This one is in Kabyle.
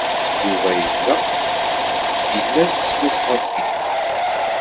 Yuba yella ila tasnasɣalt yelhan.